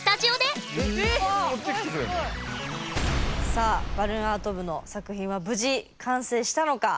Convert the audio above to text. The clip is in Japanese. さあバルーンアート部の作品は無事完成したのか。